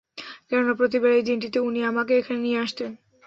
কেননা প্রতিবার এই দিনটিতে উনি আমাকে এখানে নিয়ে আসতেন।